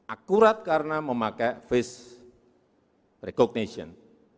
akurat karena memakai face recognition